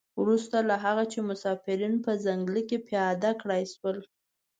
وروسته له هغه چې مسافرین په ځنګله کې پیاده کړای شول.